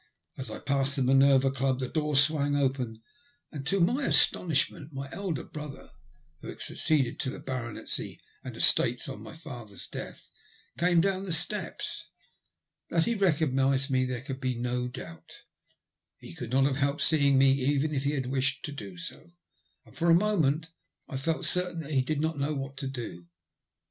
As I passed the Minerva Club the door swung open, and to my astonishment my eldest brother, who had succeeded to the baronetcy and estates on my father's death, came down the steps. That he recognised me there could be no doubt. He could not have helped seeing me even if he had wished to do so, and for a moment, I felt certain, he did not know what to do.